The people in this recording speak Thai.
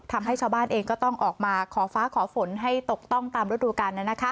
ทำให้ชาวบ้านเองก็ต้องออกมาขอฟ้าขอฝนให้ตกต้องตามฤดูกาล